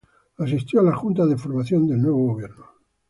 Asistió a las juntas de formación del nuevo Gobierno.